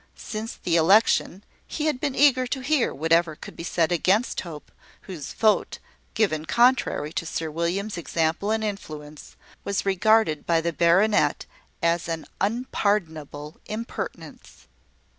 Since the election, he had been eager to hear whatever could be said against Hope, whose vote, given contrary to Sir William's example and influence, was regarded by the baronet as an unpardonable impertinence.